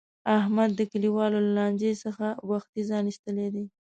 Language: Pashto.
احمد د کلیوالو له لانجې څخه وختي ځان ایستلی دی.